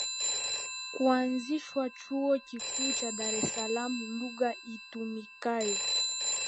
kuanzishwa Chuo kikuu cha Dar es salaama Lugha itumikayo